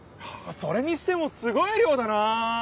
それにしてもすごい量だな！